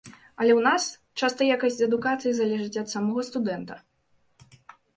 Але ў нас часта якасць адукацыі залежыць ад самога студэнта.